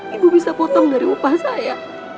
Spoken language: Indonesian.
ibu bisa potong dari upah saya